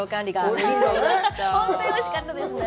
本当においしかったですね。